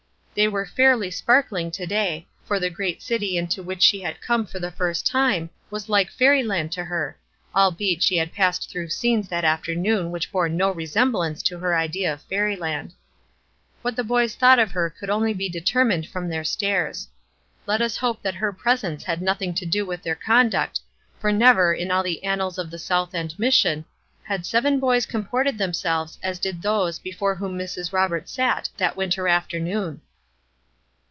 They were fairly sparkling to day, for the great city into which she had come for the first time was like fairyland to her; albeit, she had passed through scenes that afternoon which bore no resemblance to her idea of fairyland. What the boys thought of her could only be determined from their stares. Let us hope that her presence had nothing to do with their conduct, for never, in all the annals of the South End Mission, had seven boys comported themselves as did those before whom Mrs. Roberts sat that winter afternoon.